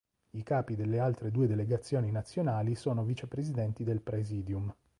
I capi delle altre due delegazioni nazionali sono vicepresidenti del Praesidium.